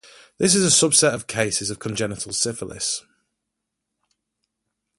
This is a subset of cases of congenital syphilis.